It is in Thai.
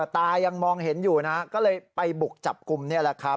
ตายังมองเห็นอยู่นะก็เลยไปบุกจับกลุ่มนี่แหละครับ